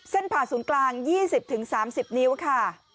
ผ่าศูนย์กลาง๒๐๓๐นิ้วค่ะ